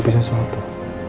tidak usah menurut sesuatu